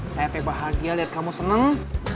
saya teh bahagia liat kamu seneng